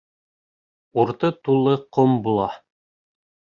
- Урты тулы ҡом була.